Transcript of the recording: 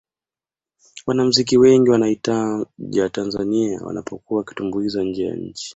wanamuziki wengi wanaitanga tanzania wanapokuwa wakitumbuiza nje ya nchi